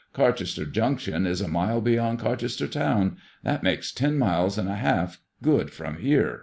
Carchester Jimction is a mile beyond Carchester town ; that makes ten miles and a half good from here.'